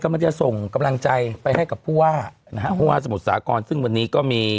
ไปให้กับผู้หว่าผู้หว่าสมุทรสาครซึ่งวันนี้ก็มี